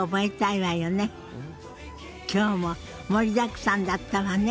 今日も盛りだくさんだったわね。